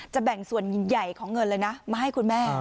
แบ่งส่วนใหญ่ของเงินเลยนะมาให้คุณแม่